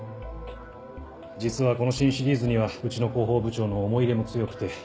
実はこの新シリーズにはうちの広報部長の思い入れも強くて。